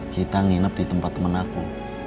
kita nginep di tempat teman aku